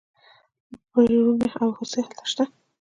پریړونه او هوسۍ هلته شته.